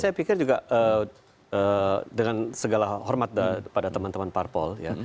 saya pikir juga dengan segala hormat pada teman teman parpol ya